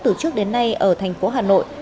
từ trước đến nay ở thành phố hà nội